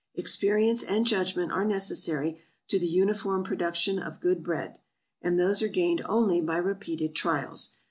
Experience and judgment are necessary to the uniform production of good bread; and those are gained only by repeated trials.